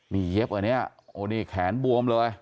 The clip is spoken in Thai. นี่เย็บกว่านี้โอ้นี่แขนบวมเลย